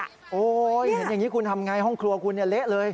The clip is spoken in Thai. โอ้โหเห็นอย่างนี้คุณทำไงห้องครัวคุณเละเลย